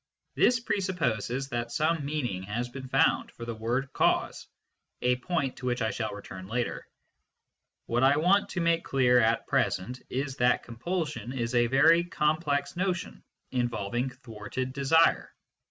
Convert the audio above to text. This presupposes that some meaning has been found for the word " cause " a point to which I shall return later. What I want to make clear at present is that compulsion is a very complex notion, involving thwarted desire.